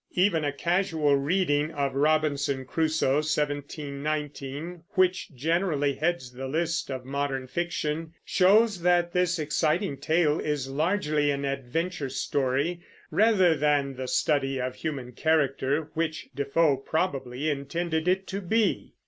Even a casual reading of Robinson Crusoe (1719), which generally heads the list of modern fiction, shows that this exciting tale is largely an adventure story, rather than the study of human character which Defoe probably intended it to be.